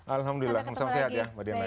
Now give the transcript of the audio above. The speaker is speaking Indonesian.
alhamdulillah salam sehat ya mbak diana